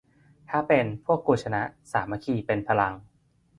ถ้าเป็น พวกกูชนะ สามัคคีเป็นพลัง